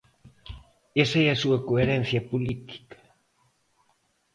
Esa é a súa coherencia política.